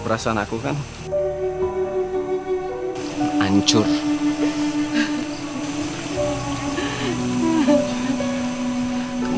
putin karena pendeket